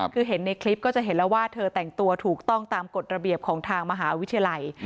คือเห็นในคลิปก็จะเห็นแล้วว่าเธอแต่งตัวถูกต้องตามกฎระเบียบของทางมหาวิทยาลัย